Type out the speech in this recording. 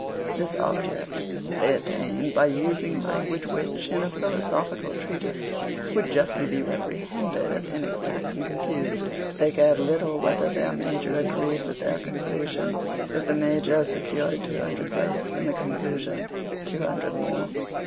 This object they attained by using language which, in a philosophical treatise, would justly be reprehended as inexact and confused. They cared little whether their major agreed with their conclusion, if the major secured two hundred votes, and the conclusion two hundred more.